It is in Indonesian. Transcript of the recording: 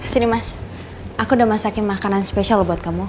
sini mas aku udah masakin makanan spesial buat kamu